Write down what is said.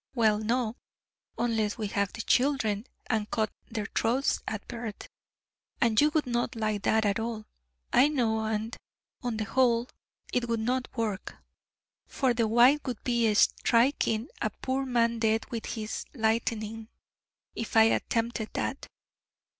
Well no unless we have the children, and cut their throats at birth: and you would not like that at all, I know, and, on the whole, it would not work, for the White would be striking a poor man dead with His lightning, if I attempted that.